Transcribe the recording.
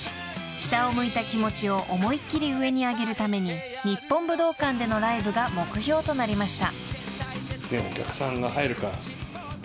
［下を向いた気持ちを思い切り上に上げるために日本武道館でのライブが目標となりました］